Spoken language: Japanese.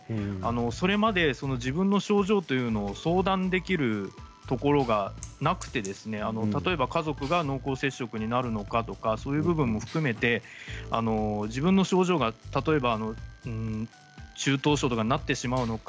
それまで自分の症状というのを相談できるところがなくって家族が濃厚接触になるのかとかそういう部分も含めて自分の症状が例えば中等症になってしまうのか